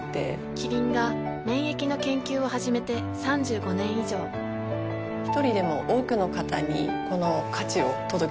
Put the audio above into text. キリンが免疫の研究を始めて３５年以上一人でも多くの方にこの価値を届けていきたいと思っています。